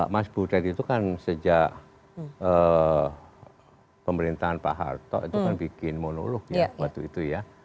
mas butet itu kan sejak pemerintahan pak harto itu kan bikin monolog ya waktu itu ya